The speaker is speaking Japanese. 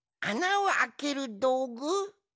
あなをあけるどうぐ？